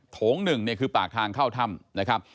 โถง๑เนี่ยคือปากทางเข้าถ้ำนะครับ